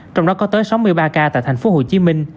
trong đó có tới sáu mươi ba ca tại tp hcm